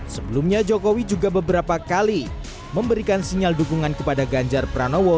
sebelumnya jokowi juga beberapa kali memberikan sinyal dukungan kepada ganjar pranowo